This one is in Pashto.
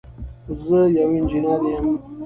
زه یو انجنير یم.